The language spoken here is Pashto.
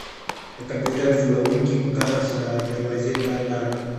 د کمپیوټر جوړونکي په قهر سره دروازې ته لاړ